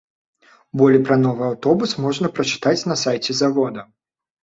Болей пра новы аўтобус можна прачытаць на сайце завода.